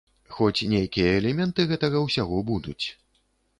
Хоць нейкія элементы гэтага ўсяго будуць.